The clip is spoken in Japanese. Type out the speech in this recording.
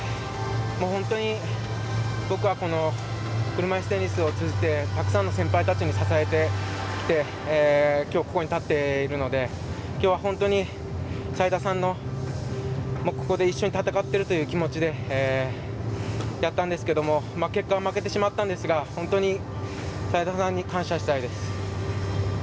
僕はこの車いすテニスを通じてたくさんの先輩たちに支えてもらってきょう、ここに立っているのできょうは本当に齋田さんと一緒に戦っているという気持ちでやったんですけれども結果は負けてしまったんですが本当に齋田さん感謝したいです。